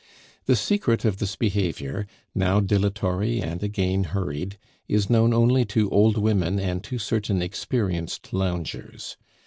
The secret of this behavior, now dilatory and again hurried, is known only to old women and to certain experienced loungers.